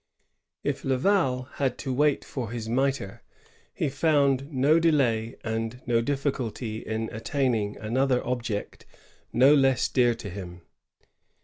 If Laval had to wait for his mitre, he found no delay and no difficulty in attaining another object no less dear to him.